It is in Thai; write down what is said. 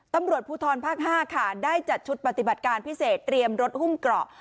ตำรวจภูทรภาค๕ค่ะได้จัดชุดปฏิบัติการพิเศษเตรียมรถหุ้มเกราะ